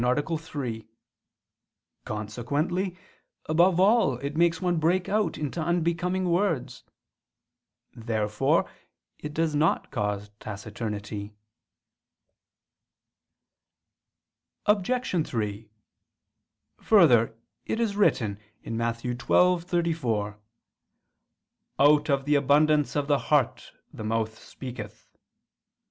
3). Consequently above all it makes one break out into unbecoming words. Therefore it does not cause taciturnity. Obj. 3: Further, it is written (Matt. 12:34): "Out of the abundance of the heart the mouth speaketh."